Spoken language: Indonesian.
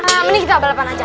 nah mending kita balapan aja